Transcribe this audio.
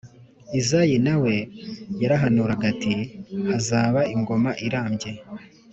izayi nawe yarahanuraga ati: “hazaba ingoma irambye,